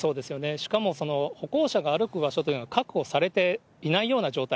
しかも歩行者が歩く場所というのは、確保されていないような状態。